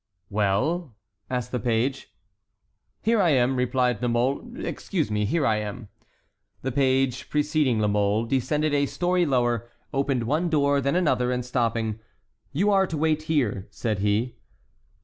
'" "Well?" asked the page. "Here I am," replied La Mole, "excuse me, here I am." The page, preceding La Mole, descended a story lower, opened one door, then another, and stopping, "You are to wait here," said he.